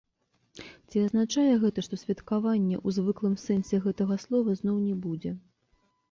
Ці азначае гэта, што святкавання ў звыклым сэнсе гэта слова зноў не будзе?